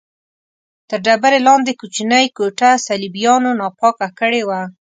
تر ډبرې لاندې کوچنۍ کوټه صلیبیانو ناپاکه کړې وه.